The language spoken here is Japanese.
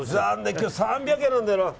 今日３００円なんだよな。